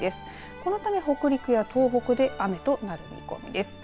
このため北陸や東北で雨となる見込みです。